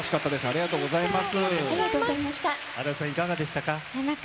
ありがとうございます。